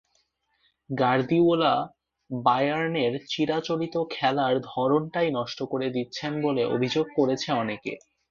Guardiola, বায়ার্নের চিরাচরিত খেলার ধরনটাই নষ্ট করে দিচ্ছেন বলে অভিযোগ করেছে অনেকে।